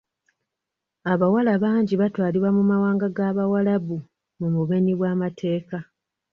Abawala bangi batwalibwa mu mawanga g'Abawalabu mu bumenyi bw'amateeka.